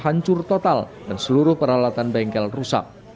hancur total dan seluruh peralatan bengkel rusak